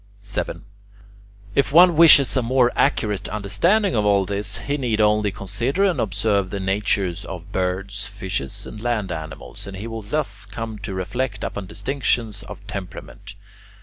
7. If one wishes a more accurate understanding of all this, he need only consider and observe the natures of birds, fishes, and land animals, and he will thus come to reflect upon distinctions of temperament.